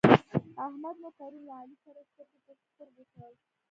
احمد مو پرون له علي سره سترګې پر سترګو کړ.